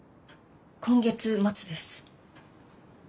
今月末です。